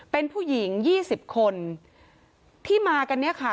เป็นผู้หญิง๒๐คนที่มากันเนี่ยค่ะ